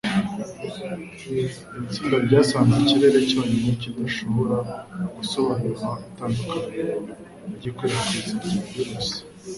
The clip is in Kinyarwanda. Iri tsinda ryasanze ikirere cyonyine kidashobora gusobanura itandukaniro ry’ikwirakwizwa rya virusi